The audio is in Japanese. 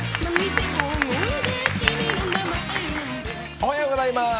おはようございます。